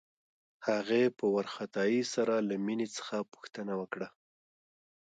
هغې په وارخطايۍ سره له مينې څخه پوښتنه وکړه.